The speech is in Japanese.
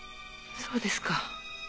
そうですか。